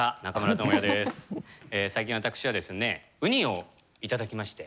最近、私はですねウニをいただきまして。